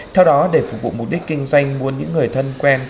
theo đó để phục vụ mục đích kinh doanh muốn những người thân quen